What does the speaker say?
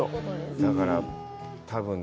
だから、多分ね、